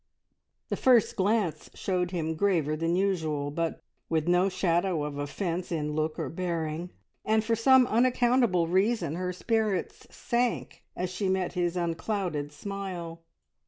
The first glance showed him graver than usual, but with no shadow of offence in look or bearing, and for some unaccountable reason her spirits sank as she met his unclouded smile.